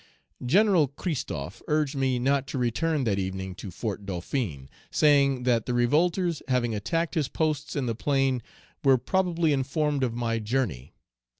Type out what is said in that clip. "General Christophe urged me not to return that evening to Fort Dauphin; saying, that the revolters, having attacked his posts in the plain, were probably informed of my journey.